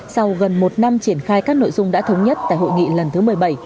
sau gần một năm triển khai các nội dung đã thống nhất tại hội nghị lần thứ một mươi bảy